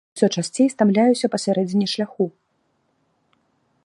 Усё часцей стамляюся пасярэдзіне шляху.